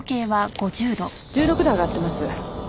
１６度上がってます。